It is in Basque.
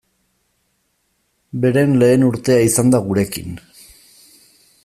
Beren lehen urtea izan da gurekin.